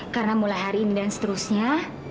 karena mulai hari ini dan seterusnya